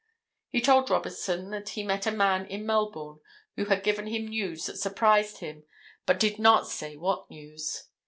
He told Robertson that he had met a man in Melbourne who had given him news that surprised him, but did not say what news.